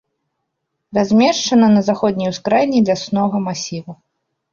Размешчана на заходняй ускраіне ляснога масіву.